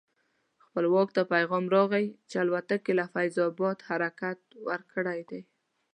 خپلواک ته پیغام راغی چې الوتکې له فیض اباد حرکت ورکړی دی.